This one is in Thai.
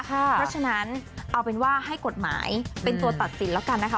เพราะฉะนั้นเอาเป็นว่าให้กฎหมายเป็นตัวตัดสินแล้วกันนะคะ